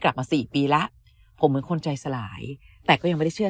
มาสี่ปีแล้วผมเหมือนคนใจสลายแต่ก็ยังไม่ได้เชื่อ